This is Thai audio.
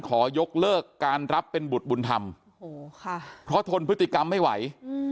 ขอยกเลิกการรับเป็นบุตรบุญธรรมเพราะทนพฤติกรรมไม่ไหว